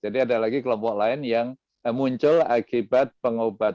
jadi ada lagi kelompok lain yang muncul akibat pengobatan